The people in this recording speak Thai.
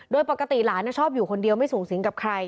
โดยปกติหลานชอบอยู่คนเดียวไม่สูงสิงกับใคร